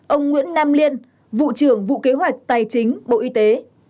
ông nguyễn nam liên vụ trưởng vụ kế hoạch tài chính bộ y tế